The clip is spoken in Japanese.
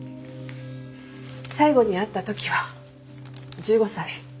最後に会った時は１５歳。